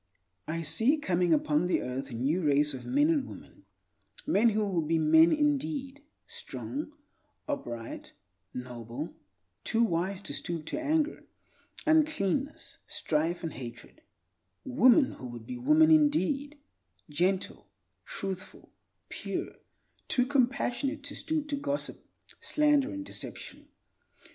I see coming upon the earth a new race of men and women—men who will be men indeed, strong, upright, noble; too wise to stoop to anger, uncleanness, strife, and hatred—women who would be women indeed, gentle, truthful, pure; too compassionate to stoop to gossip, slander, and deception.